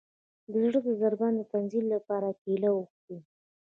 د زړه د ضربان د تنظیم لپاره کیله وخورئ